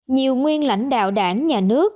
nhiều nguyên lãnh đạo đảng nhà nước